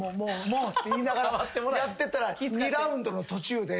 もうって言いながらやってたら２ラウンドの途中で。